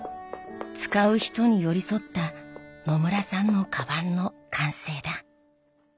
使う人に寄り添った野村さんのかばんの完成だ。